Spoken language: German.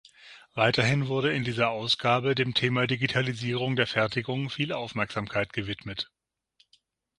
Weiterhin wurde in dieser Ausgabe dem Thema Digitalisierung der Fertigung viel Aufmerksamkeit gewidmet.